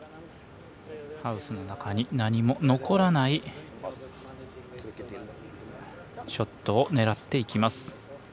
ハウスの中に何も残らないショットを狙っていきます。